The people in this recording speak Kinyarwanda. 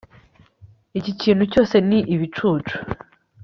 Iki kintu cyose ni ibicucu